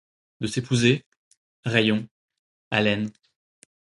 De s’épouser, rayons, haleines